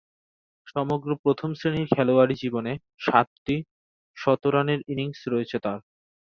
সমগ্র প্রথম-শ্রেণীর খেলোয়াড়ী জীবনে সাতটি শতরানের ইনিংস রয়েছে তার।